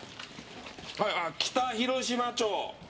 北広島町。